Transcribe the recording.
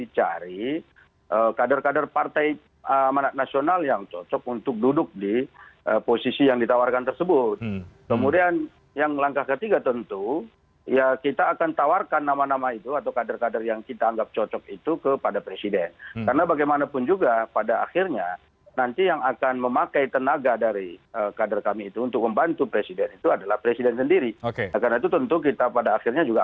jadi kita harus berangkat memperkuat posisi pak jokowi bukan posisi politik ya